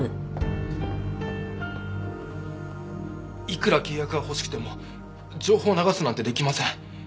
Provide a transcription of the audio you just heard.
いくら契約が欲しくても情報を流すなんてできません。